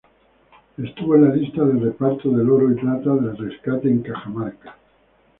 Estuvo en la lista del reparto del oro y plata del rescate en Cajamarca.